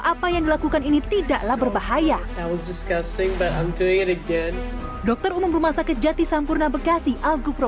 apa yang dilakukan ini tidaklah berbahaya dokter umum rumah sakit jati sampurna bekasi algofro